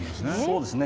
そうですね。